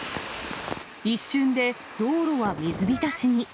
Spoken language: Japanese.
一瞬で道路は水浸しに。